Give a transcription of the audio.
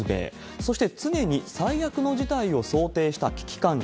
そして常に最悪の事態を想定した危機管理。